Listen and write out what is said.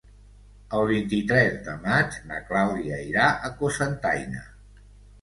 El vint-i-tres de maig na Clàudia irà a Cocentaina.